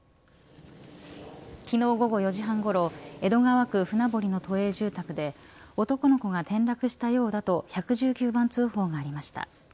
昨日、午後４時半ごろ江戸川区船堀の都営住宅で男の子が転落したようだと１１９番通報がありました。